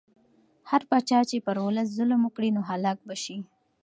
هر پاچا چې پر ولس ظلم وکړي نو هلاک به شي.